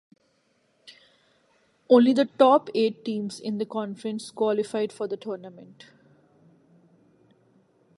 Only the top eight teams in the conference qualified for the tournament.